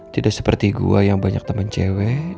tidak seperti gua yang banyak temen cewek